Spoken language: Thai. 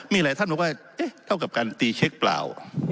มีหลายท่านบอกว่าเท่ากับการตีเช็คเปล่า